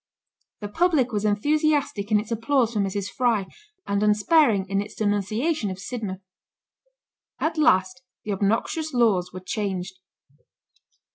The public was enthusiastic in its applause for Mrs. Fry, and unsparing in its denunciation of Sidmouth. At last the obnoxious laws were changed.